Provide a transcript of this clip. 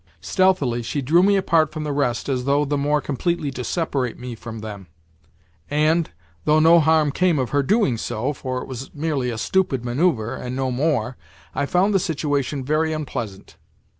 Stealthily, she drew me apart from the rest as though the more completely to separate me from them; and, though no harm came of her doing so—for it was merely a stupid manoeuvre, and no more—I found the situation very unpleasant.